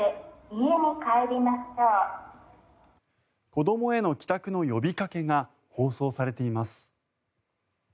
子どもへの帰宅の呼びかけが放送されています。